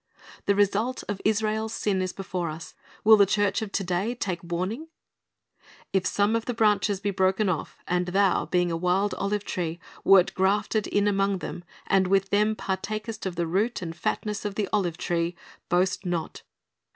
The result of Israel's sin is before us. Will the church of to day take warning ? 'Tf some of the branches be broken off, and thou, being a wild olive tree, wert graffed in among them, and with them partakest of the root and fatness of the olive tree; boast not.